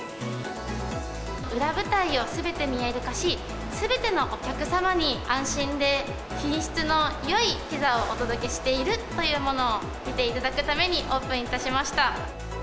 裏舞台をすべて見える化し、すべてのお客様に安心で品質のよいピザをお届けしているというのを見ていただくためにオープンいたしました。